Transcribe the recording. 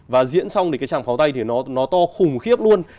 và diễn xong thì cái tràng pháo tay thì nó to khủng khiếp luôn